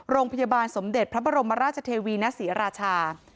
โรงพยาบาลสมเด็จพระบรมราชเทวีณศรีราชา